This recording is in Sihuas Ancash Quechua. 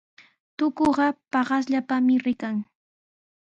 Tukuqa paqasllapami rikan.